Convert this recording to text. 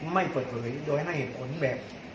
ไม่เปิดเวย์โดยง่ายให้หับผลแบบ